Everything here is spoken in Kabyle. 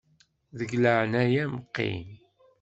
Deg laɛnaya-m qqim.